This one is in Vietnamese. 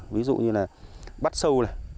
ví dụ như là bắt sâu này